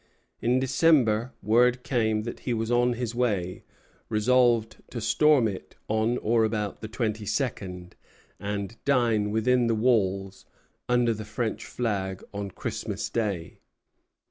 In December word came that he was on his way, resolved to storm it on or about the twenty second, and dine within the walls, under the French flag, on Christmas Day.